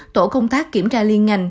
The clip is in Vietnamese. tổ công tác kiểm tra liên ngành